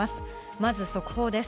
まず、速報です。